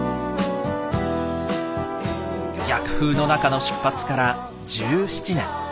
逆風の中の出発から１７年。